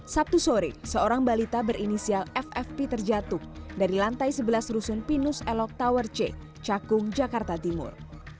sabtu sore seorang balita berinisial ffp terjatuh dari lantai sebelas rusun pinus elok tower c cakung jakarta timur